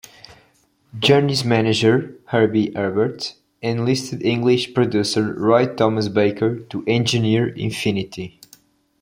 Journey's manager, Herbie Herbert, enlisted English producer Roy Thomas Baker to engineer "Infinity".